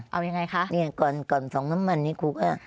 เอายังไงคะเนี่ยก่อนก่อนส่งน้ำมันนี้ครูก็